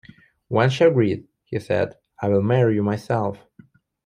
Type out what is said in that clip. When she agreed, he said, I will marry you myself.